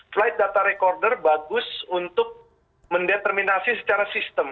flight data recorder bagus untuk mendeterminasi secara sistem